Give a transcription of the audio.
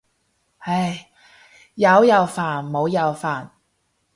唉，有又煩冇又煩。